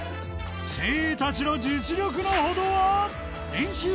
精鋭たちの実力のほどは？